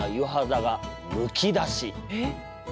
えっ。